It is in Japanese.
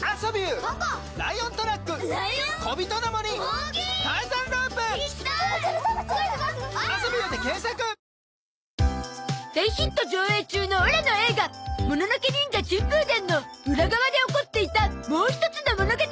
大ヒット上映中のオラの映画『もののけニンジャ珍風伝』の裏側で起こっていたもう一つの物語！